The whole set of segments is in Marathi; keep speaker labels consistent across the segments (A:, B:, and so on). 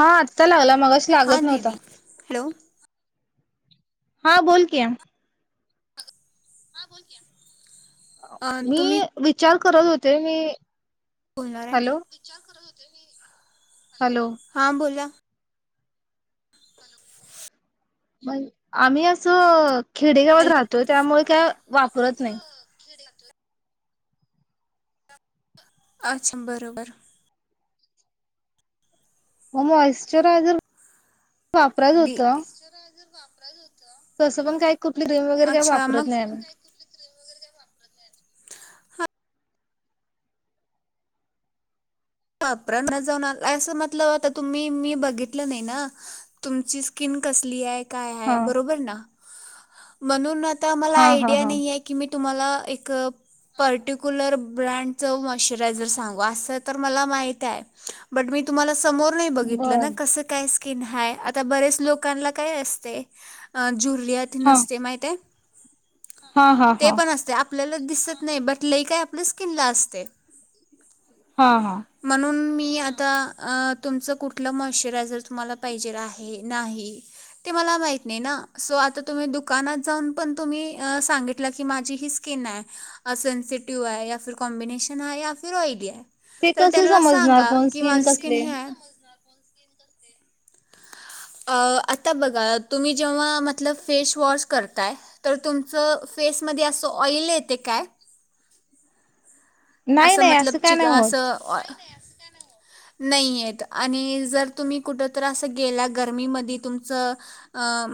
A: हा आता लागला मगाशी
B: हां
A: लागत नव्हता.
B: दिदी हॅलो
A: हां बोलकी
B: हा बोल की.
A: मी
B: तुम्ही
A: विचार करत होते मी
B: बोलणार आहे.
A: हॅलो
B: विचार करत हो ते की हॅलो, हा बोला.
A: म आम्ही असं खेडेगावात राहतोय, त्यामुळे काय वापरत नाही.
B: [unintelligible] अच्छा बरोबर
A: मग मॉइश्चरायझर वापरायचं
B: दि
A: होतं
B: मॉइश्चरायझर वापरायच होत.
A: तसं पण काही कुठली क्रीम वगैरे काय वापरत
B: मग
A: नाही आम्ही
B: वापरात जाऊन आणलायसा ना म्हटल्यावर आता तुम्ही मी बघितलं नाही ना तुमची स्किन कसली आहे. काय आहे
A: हा
B: बरोबर ना म्हणून आ मला
A: हा हा
B: आयडिया
A: हा
B: नाहीे की मी तुम्हाला एक पर्टिक्युलर ब्रँडच मॉइश्चरायझर सांगु अस तुम्हाला माहित आहे बट मी तुम्हाला सां समोर नाही बघितलं ना
A: बर
B: कसं काय की नाय आता बरेच लोकांना काय असते जु रियातीन
A: हा
B: असते माहित आहे.
A: हा हा
B: ते
A: हा.
B: पण असते आपल्याला दिसत नाही बट लई काय आपल्या स्किनला असतय.
A: हा हा
B: म्हणून मी मी आता तुमचं कुठलं मॉश्चरायझर तुम्हाला पाहिजे आहे नाही ते मला माहीत नाही. ना सो आता तुम्ही दुकानात जाऊन पण तुम्ही सांगितलं की माझी ही स्किन आहे. सेन्सिटिव्ह आहे या फिर कॉम्बिनेशन आहे या फिर ऑइली आहे.
A: ते
B: तर
A: कस
B: त्यांना
A: समजणार
B: सांगा
A: पण
B: की
A: स्किन
B: माझी
A: कसले
B: हे आहे आता बघा तुम्ही जेव्हा मतलब फेशवॉश करताय. तर तुमचं फेसमध्ये असं ऑइल येते काय?
A: नाही
B: असं
A: नाही
B: मतलब
A: काय
B: चिक
A: नाही होत
B: असं ऑ नाही येत आणि जर तुम्ही कुठतर अस गेला गर्मीमध्ये तुमच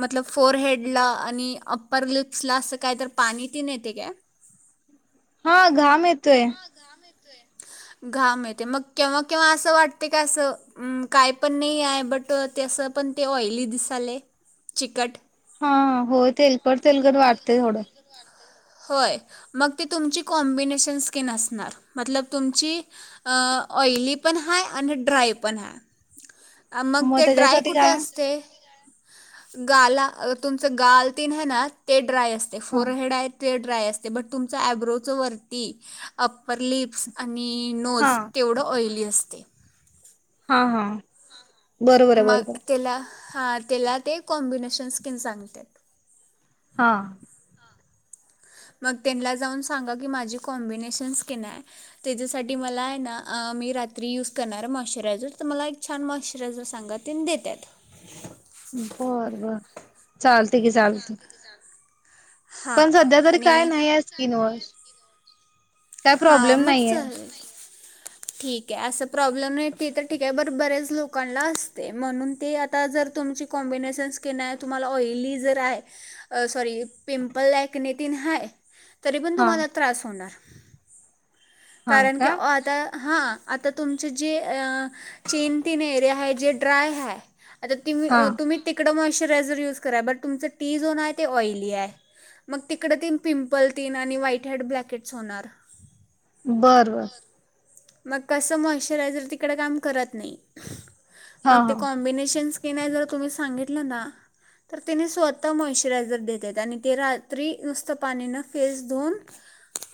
B: मतलब फोरहेड ला आणि अप्पर लिप्सला अस काय तर पाणी तेन येते का?
A: हा घाम येत तोय
B: घाम येतोय, मग केव्हा केव्हा असं वाटते का असं काय पण नाही आहे बट तस पण ते ऑइली दिसाले, चिकट
A: हा हो तेलकट, तेलकट वाटतय थोडं
B: होय मग त तुमची कॉम्बिनेशन स्किन असणार मतलब तुमची ऑयली पण हाय, ड्राय पण हाय मग ते ड्राय
A: त्याच्यासाठी
B: कुठे
A: काय
B: असते? गाला तुमच गाल तेन हाय ना ते ड्राय असते
A: हा
B: फोर हेड आहेत ते ड्राय असते, बट तुमचा ॲबरोच वरती अप्पर लिप्स आणि
A: हा
B: नोज तेवढं ऑइली असते
A: हा हा बरोबर आहे
B: मग
A: बरोबर
B: तिला हा त्याला ते कॉम्बिनेशन स्किन सांगते.
A: हा
B: मग त्यांना जाऊन सांगा की माझी कॉम्बिनेशन स्किन आहे. त्याच्यासाठी मला आहे, ना मी रात्री यूज करणार आहे. मॉश्चरायझर तर मला एक छान मॉश्चरायझर सांगा त्यांनी देतात.
A: बर बर चालतय, की चालत
B: हां
A: पण, सध्या तरी काय
B: आणि
A: नाही आहे स्किन वर काय
B: हां
A: प्रॉब्लेम
B: मग
A: नाहीये.
B: चालेल ठीक आहे. अस प्रॉब्लेम नाही ते तर ठीक आहे. बर बर्‍याच लोकांना असते. म्हणून ते आता जर तुमची कॉम्बिनेशन स्किन आहे. तुम्हाला ऑयली जर आहे. सॉरी पिंपल ॲकनीतील हाय तरी पण
A: हा
B: तुम्हाला त्रास होणार
A: हा
B: कारण, की
A: का
B: आता हां आता तुमचं जे चेनतीन एरिया आहे जे ड्राय हाय आता ती
A: हा
B: तुम्ही तिकडं माॅयचरायजर युज करा. बट तुमचं टी झोन आहे. ते ऑयली आहे. मग तिकडं ते पिंपल तेन व्हाईट हेड ब्लकेट होणार
A: बर बर
B: मग कसं मॉशरायझर तिकडं काम करत नाही.
A: हा
B: मग ते
A: हा
B: कॉम्बिनेशन्स- त नाही जर तुम्ही सांगितलं ना तर तिने स्वतः मॉशचरायझर देतेत आणि ते रात्री नुसत पाणीन फेस धुवून,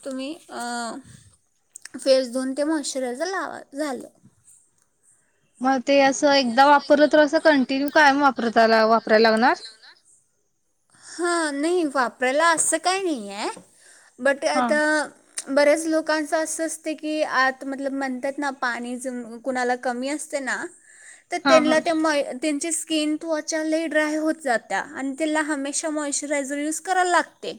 B: तुम्ही अ फेस धुवून ते मॉश्चरायझर लावा, झालं.
A: मग ते असं एकदा वापरलं तर असं कंटिन्यू कायम वापरत आला. लावणार?
B: हा नाही वापरायला असं काही नाहीय. बट
A: हा
B: आता बऱ्याच लोकांच असं असते की, आत मतलब म्हणतात ना पाणी कुणाला कमी असते ना? तर
A: हा हा
B: त्यांला त्या माॅय त्यांची स्किन त्वचा लय ड्राय होत जात्या आणि त्याला हमेश मॉइश्चरायजर युज कराल लागते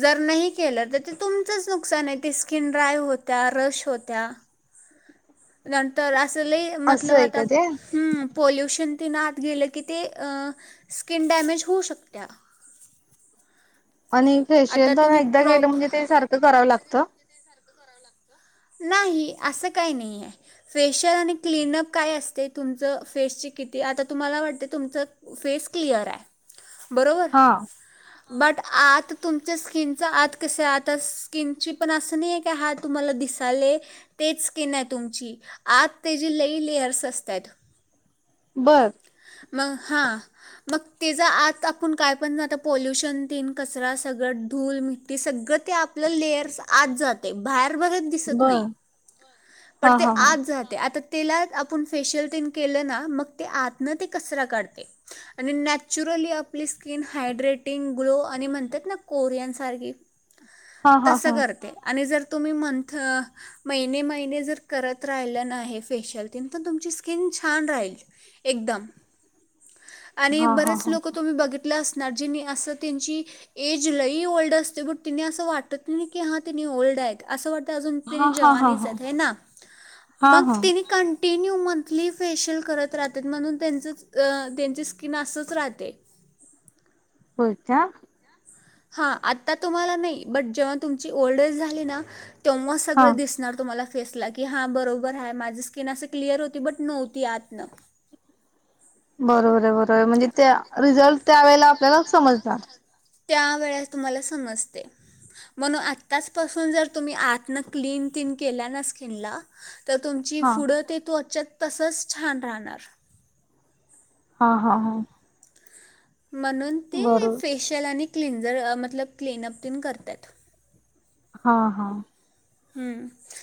B: जर नाही केलं त ते तुमचाच नुकसान आहे ते स्किन ड्राय होत्या रश होत्या नंतर अजू अस मतल
A: असं आहे
B: आता
A: का ते
B: पोल्युशन [unintelligible] ते ना आत गेलं की ते अ स्किन डॅमेज होऊ शकते त्या
A: आणि फेशियल तर एकदा केल म्हणजे ते सारखं करावं लागतं
B: नाही असं काही नाही आहे फेशल आणि क्लनअप काय असते तुमच फेसची किती आता तुम्हाला वाटते तुमचं फेस क्लिअर आहे बरोबर
A: हा
B: बट आत तुमच्या स्किनचा आत कस आता स्किन ची पण असं नाही आहे की हा तुम्हाला दिस झा तेच स्किन ये तुमची आत त्याचे लई लेअर्स असतात
A: बर
B: मग हा मग त्याचा आत आपण काय पण आता पॉल्युशन तीन कचरा सगळं धूल मिट्टी सगळं ते आपलं लेयर् आत जाते बाहेर दिसत नाही
A: बर
B: बट
A: हा
B: ते
A: हा हा
B: आते आता त्याला आपण फेशियल तीन केलं ना मग ते आत न ते कचरा काढते आणि नॅचरली आपली स्किन हायड्रेटिंग ग्लो आणि म्हणतात ना कोरियनसारखी
A: हा हा
B: तसं
A: हा
B: करते आणि जर तुम्ही मंथ महिने महिने जर करत राहिलं ना हे फेशियल त तुमची स्किन छान राहील एकदम आणि
A: हा हा
B: बरेच
A: हा
B: लोक तुम्ही बघित असणार जि असं त्यांची एज लई ओल्ड असते पण तिने असं वाटत की हा तिने ओल्ड आहेत असं वाट अजून तेनी
A: हा हा हा
B: जवानी च
A: हा
B: ये हेना
A: हा
B: मग
A: हा
B: तेनी कं ते न्यू मंथली फेशियल करत राहत म्हण त्यांचच ग त्यांची स्किन असच राहते
A: होय का
B: हा आता तुम्हाला नाही बट जेव्हा तुमची ओल्ड एज झाली ना तेव्हा
A: हा
B: सगळं दिसणार तुम्हाला फेसला की हां बरोबर आहे माझी स्किन असे क्लिअर होती बट नव्हती आतनं
A: बरोबर आहे बरोबर म्हणजे त्या रिझल्ट त्या वेळेला आपल्याला समजत
B: त्या वेळेस तुम्हाला समजते म्हणून आत्ताचपासून जर तुम्ही आतनं क्लीन तीन केल्या ना स्किनला तर तुमची
A: हा
B: पुढं ते त्वच तसंच छान राहणार
A: हा हा हा.
B: म्हणून ते
A: बरोबर
B: फेशिल आणि क्लिंझर अ मतलब क्लिनअप तेन करत्यात,
A: हा हा.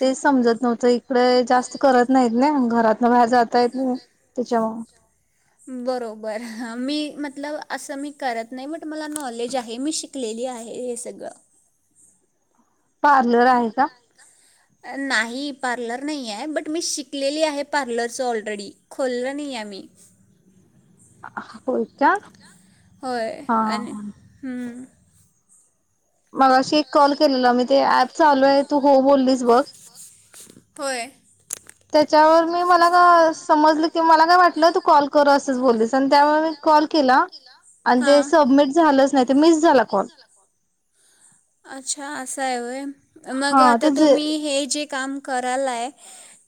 A: ते समजतं नव्हतं इकडे जास्त करत नाहीत ना घरातन बाहेर जात येत नाही त्यांच्यामुळ
B: बरोबर मी मतल असं मी करत नाही., बट मला नॉलेज आहे मी शिकलेली आहे हे सगळं.
A: पार्लर आहे का?
B: नाही पार्लर नाही आहे बट मी शिकलेली आहे, पार्लरचं ऑलरेडी खोल्ल नाही आहे मी,
A: होय का.
B: होय
A: हा
B: आणि हम्म.
A: मगाशी एक कॉल केलेला मी ते ऍप चालू आहे तू हो बोललीस बघं?
B: होय.
A: त्याच्यावर मी मला का समजलं की मला काय वाटलं तू कॉल कर असंच बोललीस आणि त्यामुळे मी कॉल केला,. आणि ते
B: हां
A: सबमिट झालंच नाही ते मिस झाला कॉल
B: अच्छा असं आहे होय,
A: हा
B: मगं आता
A: ते जे
B: तुम्ही हे जे काम करायलाय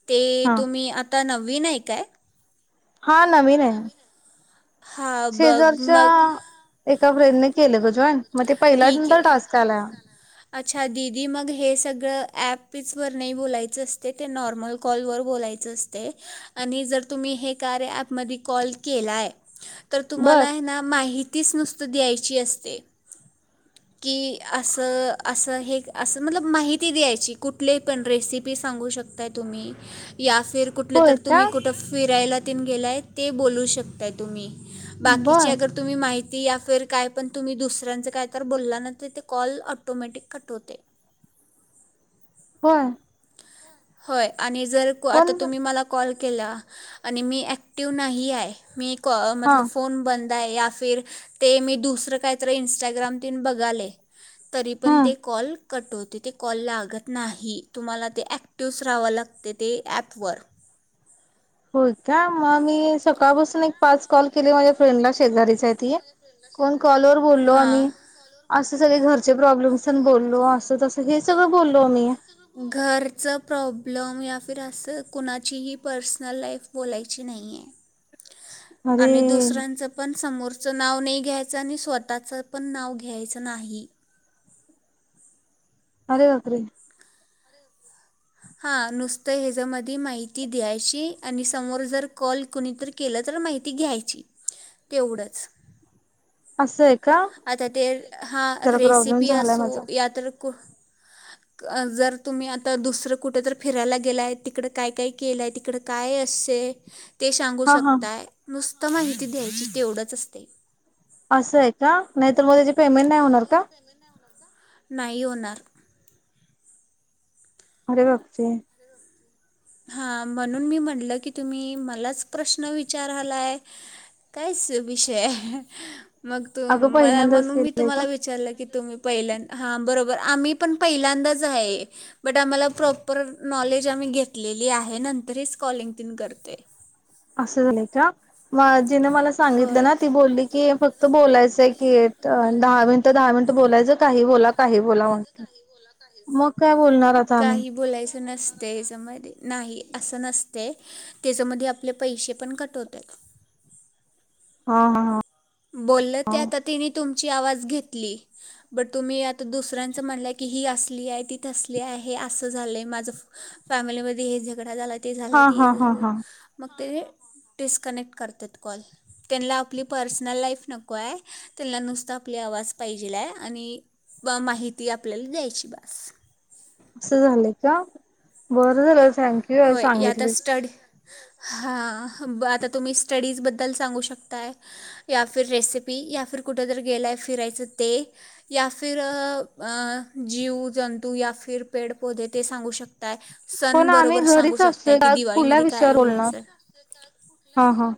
B: ते
A: हा
B: तुम्ही आता. आता नवीन‌ हाय काय?
A: हा नवीन आहे.
B: हां बघ
A: शेजारच्या
B: मग
A: एक त्या फ्रेंडन केलं गं जॉईन मगं ते पहिल्या
B: ठीक
A: नंतर
B: आहे
A: टास्क आला.
B: अच्छा दिदी मगं हे सगळं ॲप वर नाही बोलायचं असतय ते नॉर्मल कॉलवर बोलायचं असतय आणि जर तुम्ही हे कार्या ऍपमध्ये कॉल केलाय. तर
A: बर
B: तुम्हाला ना माहीती तीच नुसतं द्यायची असते की असं - असं हे असं मतलब माहिती द्यायची कुठली पण रेसिपी सांगू शकताय तुम्ही या- फिर कुठलं
A: होय
B: तर
A: का
B: तुम्ही कुठं फिरायला? गेलाय ते बोलू शकताय तुम्ही. बाकीची
A: बर
B: अगर तुम्ही माहिती या फिर काय पण तुम्ही दुसऱ्यांचं काय तर बोलला ना तर ते कॉल. ऑटोमॅटिक कट होतय.
A: होय!
B: होय आणि जर आता
A: पण
B: तुम्ही मला कॉल केला आणि मी ऍक्टिव नाही आहे मी-
A: हा
B: मतलब फोन बंद- या फिर ते मी दुसर काहीतर इंस्टाग्राम तेन बघाले. तरी पण ते
A: हम्म
B: कॉल- - कट होते ते कॉल लागत नाही तुम्हाला ते ॲक् [unintelligible] लागते ते ॲपवर
A: होय काय मग मी सकाळपासून एक पाच कॉल केले माझ्या फ्रेंडला शेजारीच आहे ती कोण कॉलर बोललो
B: हां
A: आम्ही असं सगळे घरचे प्रॉब्लेम्सण बोललो असं तसं हे सगळं बोललो आम्ही -
B: घरचं प्रॉब्लेम या फिर असं कुणाचीही पर्सनल लाईफ बोलायची नाही याय
A: अरे
B: समोरचं नाव नाही घ्यायचं आणि स्वतःचं पण नाव घ्यायचं नाही.
A: अरे बापरे
B: हा नुसतं ह्यजमध्ये माहिती द्यायची आणि समोर जर कॉल कुणीतरी केला तर माहिती घ्यायची तेवढंच
A: अस
B: आता ते हा
A: प्रॉब्लेम
B: रेसिपी
A: झालाय
B: असो
A: माझा
B: या तर जर तुम्ही आता दुसरं कुठ फिरायला गेलाय तिकड काय काय केलंय तिकड काय अस ते सांगू
A: हा हा
B: शकताय नुसत आता माहिती द्यायची तेवढंच असतय
A: असं य ह नाहीतर मग त्याची पेमेंट नाही होणार का
B: नाही होणार
A: अरे बापरे
B: हा म्हणून मी म्हटलं की तुम्ही मलाच प्रश्न विचारालाय काय कायच विषय मग त
A: अगं पहिल्यांदाच
B: म्हणून मी
A: केलंय का
B: तुम्हाला विचारलं की तुम्ही पहिल्यांद हा बरोबर आम्ही पण पहिल्यांदाच आहे बट आम्हाला प्रॉपर नॉलेज आम्ही घेत घेतलेले आहे, नंतर चं कॉलिंग तेन करतेय
A: असं झाले का म जिने मला सांगितलं
B: होय
A: ना ती बोलली की फक्त त बोलायचंय की दहा मिनिट दहा मिनिट बोलायचं काही बोला काही बोला म्हणत मग काय बोलणार आता आम्ही
B: काही बोलायचं नसतं याच्यामध्ये नाही अस नसते त्याच्यामध्ये आपले पैसे पण कटवत्यात
A: हा हा हा
B: बोलल ते आता तेनी तुम ची आवाज घेतली, बट तुम्ही आता दुसऱ्याचं म्हणले कि ही असली आहे ती तसली आहे हे असं झाले आहे, माझं फॅमिली मध्ये हे झगडा झालाय ते
A: हा
B: झालंय ते
A: हा हा हा
B: झालं
A: हा
B: मग ते डिस्कॅनेट करत्यात कॉल त्याना आपली पर्स नल लाईफ नको आहे त्यांना नुसतं आपली आवाज पाहिजेला आहे आणि माहिती आपल्याला द्यायची बस
A: असं झालंय का बरं झालं थँक्यू ह
B: होय या आता
A: सांगितलीस
B: स्टडी हां ब आता तुम्ही स्टडीजबद्दल सांगू शकताय, या फिर रेसिपी या, फिर कुठेतरी गेलाय फिरायचं, ते या फिर जीव जंतू या, फिर पेड पोधे ते सांगू शकताय. सन बरोबर,
A: अस
B: शकताय, की
A: का, कुठल्या
B: दिवाळीमध्ये काय
A: विषयावर
B: आहे हे
A: बोलणार?
B: सण.
A: हा हा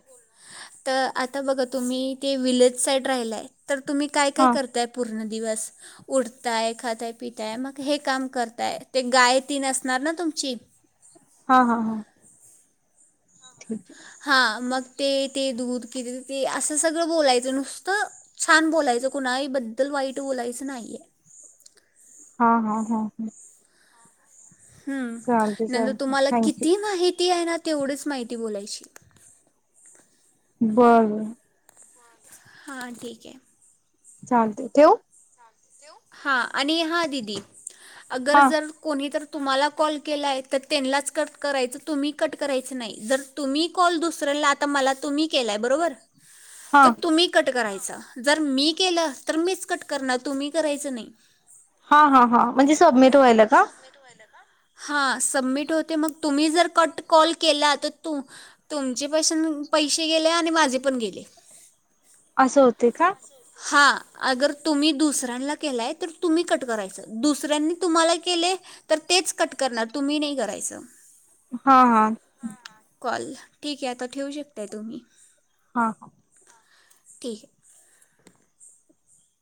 B: तर आता बघा तुम्ही ते विलेज साईड राहिलाय. तर तुम्ही काय काय
A: हा
B: करताय पूर्ण दिवस उठताय, खाताय, पिताय, मग हे काम करताय ते गाय तेन असणार ना तुमची?
A: हा हा हा ठीक आहे
B: हा मग ते ते दूध किती देते असं सगळं बोलायचं, नुसतं छान बोलायचं कुणाही बद्दल वाईट बोलायचं नाहीय.
A: हा हा हा हा, चालते
B: हम्म नंतर
A: चालते
B: तुम्हाला
A: थँक्यू
B: किती माहि ती आहे ना तेवढीच माहिती बोलायची.
A: बरं,
B: हां ठीक आहे..
A: चालते ठेवू?
B: हा, आणि हा दिदि, अगर
A: हा
B: जर कोणी तर, तुम्हाला कॉल केलाय तर त्यांनाच कट करायचं तुम्ही कट करायच नाही, जर तुम्ही कॉल दुसऱ्याला आता मला तुम्ही केलाय बरोबर
A: हा
B: तर तुम्ही कट करायचा. जर मी केल तर मीच कट करणार तुम्ही करायच नाही.
A: हा हा हां म्हणजे सबमिट व्हायला का?
B: हा सबमिट होते मग तुम्ही जर कट कॉल केला, तर त तुमचे पैसे गेले आणि माझे पण गेले.
A: अस होत.
B: हा, अगर तुम्ही दुसऱ्यांना केलाय तर तुम्ही कट करायच दुसऱ्यांनी तुम्हाला केले तर तेच कट करणार तुम्ही नाही करायचं.
A: हा हा,
B: कॉल, ठीक आहे आता ठेवू शकताय तुम्ही.
A: हा हा,
B: ठीक आहे.